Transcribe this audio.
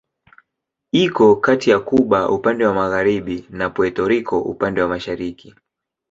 Iko kati ya Kuba upande wa magharibi na Puerto Rico upande wa mashariki.